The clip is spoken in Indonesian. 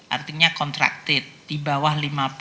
artinya contracted di bawah lima puluh